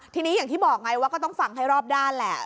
ทีนี้อย่างที่บอกไงว่าก็ต้องฟังให้รอบด้านแหละ